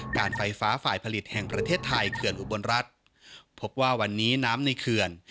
การไฟฟ้าฝ่ายผลิตแห่งประเทศไทยเขื่อนอุบลรัฐพบว่าวันนี้น้ำในเขื่อน